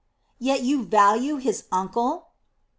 "Yet you value his uncle?"